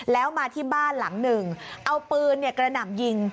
แล้วมาที่บ้านหลังหนึ่งเอาปืนกระหน่ำยิง